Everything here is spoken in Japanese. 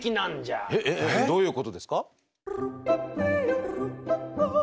えっえっどういうことですか？